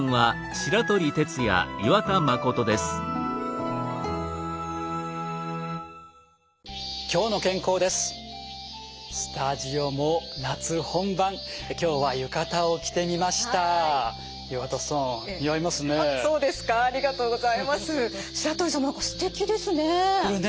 白鳥さんもすてきですね。